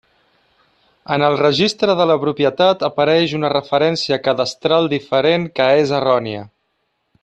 En el Registre de la Propietat apareix una referència cadastral diferent que és errònia.